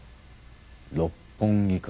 六本木か。